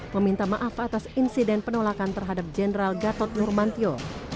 meminta maaf atas insiden penolakan terhadap general gatot nurmantyo